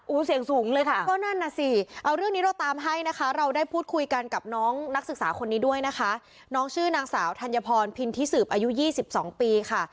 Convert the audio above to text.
เสียงสูงเลยค่ะก็นั่นน่ะสิเอาเรื่องนี้เราตามให้นะคะเราได้พูดคุยกันกับน้องนักศึกษาคนนี้ด้วยนะคะน้องชื่อนางสาวธัญพรพินทิสืบอายุ๒๒ปีค่ะ